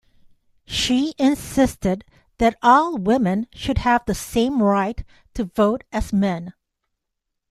She insisted that all women should have the same right to vote as men.